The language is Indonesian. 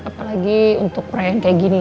apalagi untuk perayaan kayak gini